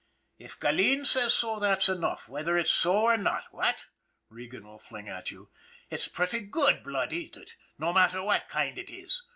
"If Gilleen says so that's enough, whether it's so or not, what ?" Regan will fling at you. " It's pretty good blood, ain't it, no matter what kind it is?